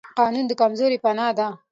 قانون د کمزورو پناه ده